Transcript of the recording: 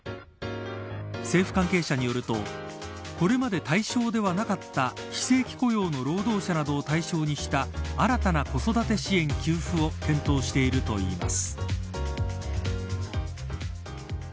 政府関係者によるとこれまで対象ではなかった非正規雇用の労働者などを対象にした新たな子育て支援給付を検討しているといいます。